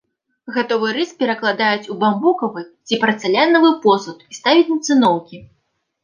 Гатовы рыс перакладаюць у бамбукавы ці парцалянавы посуд і ставяць на цыноўкі.